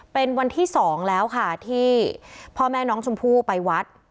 เป็นวันที่๒แล้วค่ะที่พ่อแม่น้องชมพู่ไปวัด